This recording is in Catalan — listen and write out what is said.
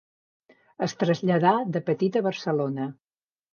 Es traslladà de petit a Barcelona.